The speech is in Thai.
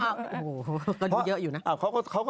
โอ้โหก็ดูเยอะอยู่นะ